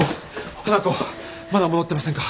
花子まだ戻ってませんか？